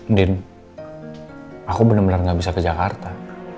mdin aku benar benar gak bisa ke jakarta